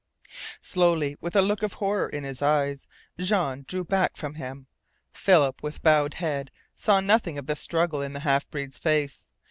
Slowly, with a look of horror in his eyes, Jean drew back from him. Philip, with bowed head, saw nothing of the struggle in the half breed's face.